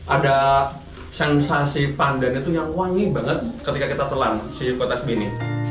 ada sensasi pandan itu yang wangi banget ketika kita telan si kue tasbih ini